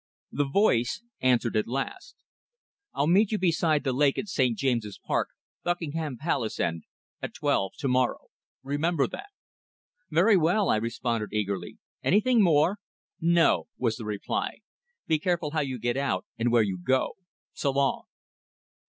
The voice answered at last "I'll meet you beside the lake in St. James's Park, Buckingham Palace end, at twelve to morrow. Remember that." "Very well," I responded eagerly. "Anything more?" "No," was the reply. "Be careful how you get out, and where you go. So long!"